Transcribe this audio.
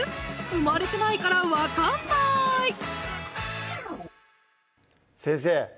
生まれてないから分かんない先生